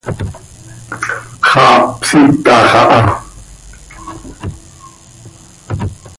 Xaa hpsiitax aha.